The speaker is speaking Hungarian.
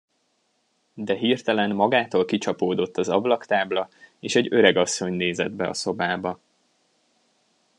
De hirtelen magától kicsapódott az ablaktábla, és egy öregasszony nézett be a szobába.